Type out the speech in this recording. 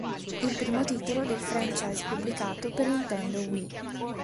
Il primo titolo del franchise pubblicato per Nintendo Wii.